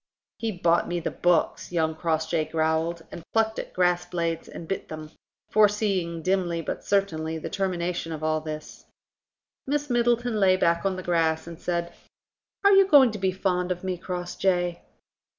"He bought me the books," young Crossjay growled, and plucked at grass blades and bit them, foreseeing dimly but certainly the termination of all this. Miss Middleton lay back on the grass and said: "Are you going to be fond of me, Crossjay?"